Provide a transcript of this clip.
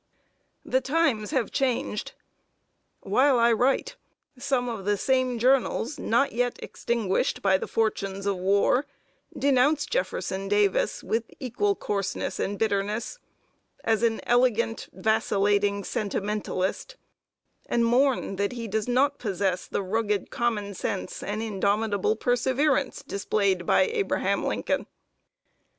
The times have changed. While I write some of the same journals, not yet extinguished by the fortunes of war, denounce Jefferson Davis with equal coarseness and bitterness, as an elegant, vacillating sentimentalist; and mourn that he does not possess the rugged common sense and indomitable perseverance displayed by Abraham Lincoln!